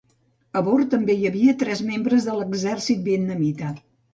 A bord també hi havia tres membres de l'exèrcit vietnamita.